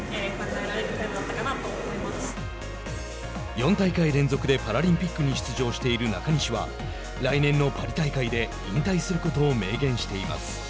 ４大会連続でパラリンピックに出場している中西は来年のパリ大会で引退することを明言しています。